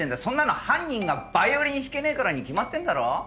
そんなの犯人がバイオリン弾けねえからに決まってんだろ。